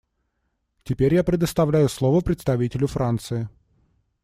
Теперь я предоставляю слово представителю Франции.